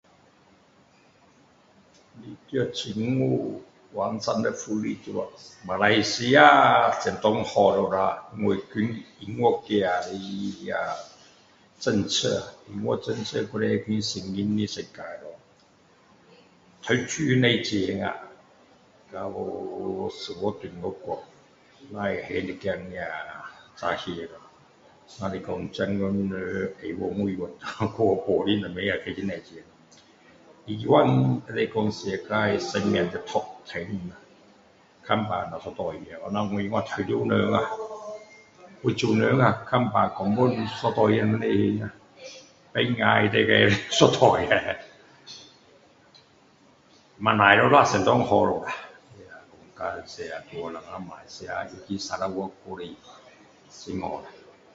政府完善的福利马来西亚相当好了我看英国的政策英国的政策是另一个世界这样读书不用钱到小学中学去只是换一点那个杂费咯只是说现在的人喜欢去外国咯他可以说现在世界的top 10 看病都免费的像我这样退休的人我这种人看病根本一块钱不用还拔牙齿一块钱而已不错了咯相当好了咯感谢主我们马来西亚很好了